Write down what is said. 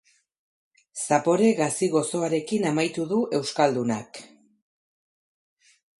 Zapore gazi-gozoarekin amaitu du euskaldunak.